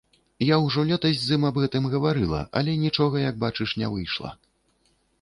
Я ўжо летась з ім аб гэтым гаварыла, але нічога, як бачыш, не выйшла.